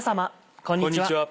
こんにちは。